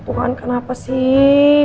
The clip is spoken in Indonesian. tuhan kenapa sih